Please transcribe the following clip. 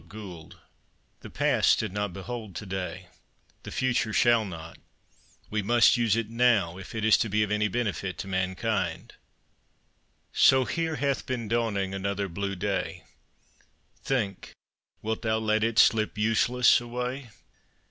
_ TO DAY The past did not behold to day; the future shall not. We must use it now if it is to be of any benefit to mankind. So here hath been dawning Another blue day; Think, wilt thou let it Slip useless away?